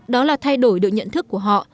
đó là thay đổi được nhận thức của họ